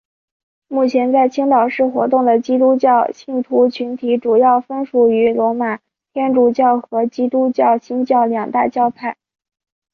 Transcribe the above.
目前在青岛市活动的基督教信徒群体主要分属于罗马天主教和基督教新教两大教派。